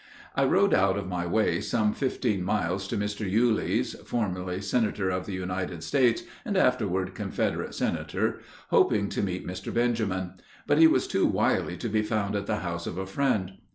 I rode out of my way some fifteen miles to Mr. Yulee's, formerly senator of the United States, and afterward Confederate senator, hoping to meet Mr. Benjamin; but he was too wily to be found at the house of a friend.